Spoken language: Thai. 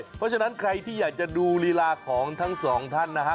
เพราะฉะนั้นใครที่อยากจะดูลีลาของทั้งสองท่านนะฮะ